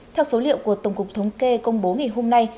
theo số liệu của tổng cục thống kê công bố ngày hôm nay